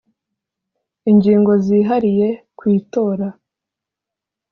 ingingo zihariye ku itora